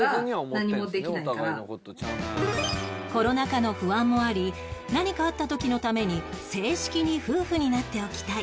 コロナ禍の不安もあり何かあった時のために正式に夫婦になっておきたい